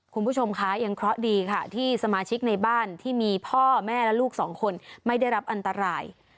คุณผู้ชมคะยังเคราะห์ดีค่ะที่สมาชิกในบ้านที่มีพ่อแม่และลูกสองคนไม่ได้รับอันตราย